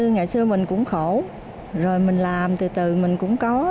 ngày xưa mình cũng khổ rồi mình làm từ mình cũng có